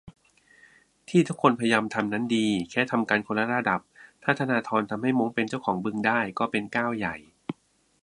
ที่ทุกคนพยายามทำนั้นดี แค่ทำกันคนละระดับ ถ้าธนาธรทำให้ม้งเป็นเจ้าของบึงได้ ก็เป็นก้าวใหญ่